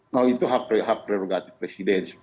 nah itu hak prerogatif presiden